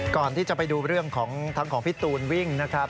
ก่อนที่จะไปดูเรื่องของทั้งของพี่ตูนวิ่งนะครับ